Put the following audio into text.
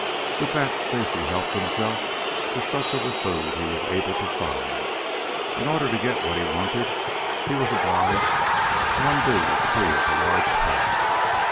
With that Stacy helped himself to such of the food as he was able to find. In order to get what he wanted he was obliged to undo three of the large packs.